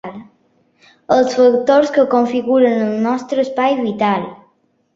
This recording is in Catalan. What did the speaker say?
Els factors que configuren el nostre espai vital.